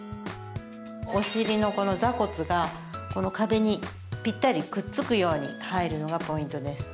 お尻の座骨がこの壁にぴったりくっつくように入るのがポイントです。